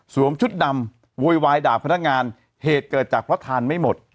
ชุดดำโวยวายด่าพนักงานเหตุเกิดจากเพราะทานไม่หมด